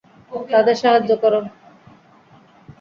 তাদের সাহায্য কর।